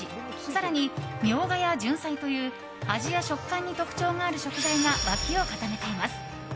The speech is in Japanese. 更にミョウガやジュンサイという味や食感に特徴がある食材が脇を固めています。